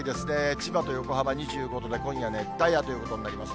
千葉と横浜２５度で、今夜、熱帯夜ということになります。